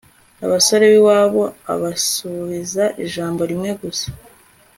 abasore b'iwabo abasubiza ijambo rimwe gusa